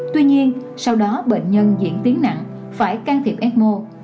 tuy nhiên sau đó bệnh nhân diễn tiến nặng phải can thiệp ecmo